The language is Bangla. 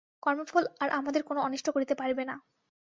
কর্মফল আর আমাদের কোন অনিষ্ট করিতে পারিবে না।